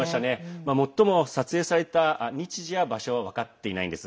もっとも撮影された日時や場所は分かっていないんです。